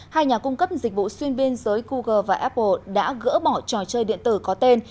hai nhà cung cấp dịch vụ xuyên biên giới google và apple đã gỡ bỏ trò chơi điện tử có tên